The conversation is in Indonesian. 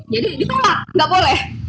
jadi ditolak gak boleh